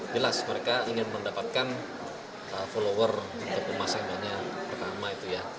jelas mereka ingin mendapatkan follower untuk pemasangan yang pertama itu ya